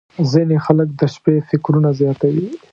• ځینې خلک د شپې فکرونه زیاتوي.